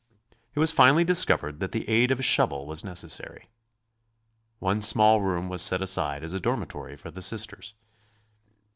It was finally discovered that the aid of a shovel was necessary. One small room was set aside as a dormitory for the Sisters.